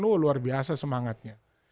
wuh luar biasa semangatnya